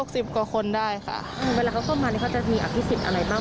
สิบกว่าคนได้ค่ะอืมเวลาเขาเข้ามานี่เขาจะมีอภิษฎอะไรบ้าง